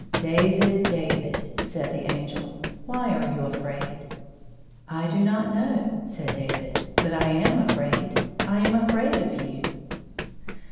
"David, David," said the Angel, "why are you afraid ?" "I do not know," said David; "but I am afi*aid — I am afiraid of you